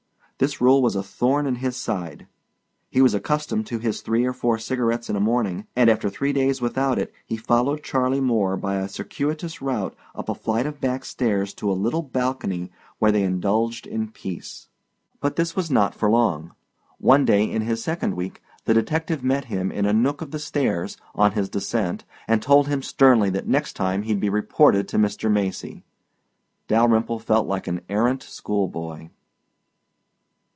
This rule was a thorn in his side. He was accustomed to his three or four cigarettes in a morning, and after three days without it he followed Charley Moore by a circuitous route up a flight of back stairs to a little balcony where they indulged in peace. But this was not for long. One day in his second week the detective met him in a nook of the stairs, on his descent, and told him sternly that next time he'd be reported to Mr. Macy. Dalyrimple felt like an errant schoolboy.